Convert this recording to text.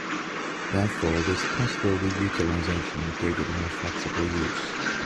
Therefore, this possible reutilization gave it a more flexible use.